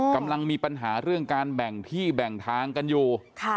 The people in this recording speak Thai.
กำลังมีปัญหาเรื่องการแบ่งที่แบ่งทางกันอยู่